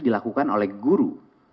ini dilakukan oleh guru